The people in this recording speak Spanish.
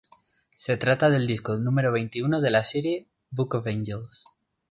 Se trata del disco número veintiuno de la serie "Book of Angels".